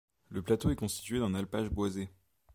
Le plateau est constitué d'un alpage boisé.